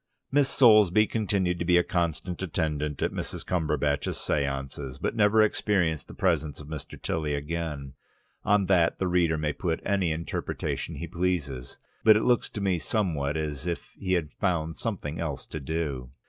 Miss Soulsby continued to be a constant attendant at Mrs. Cumberbatch's séances, but never experienced the presence of Mr. Tilly again. On that the reader may put any interpretation he pleases. It looks to me somewhat as if he had found something else to do.